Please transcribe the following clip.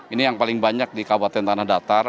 ini yang paling banyak di kabupaten tanah datar